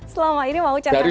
selama ini mau centang biru